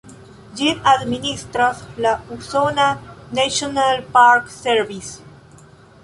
Ĝin administras la usona "National Park Service".